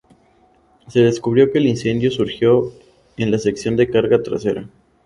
Se descubrió que el incendio surgió en la sección de carga trasera.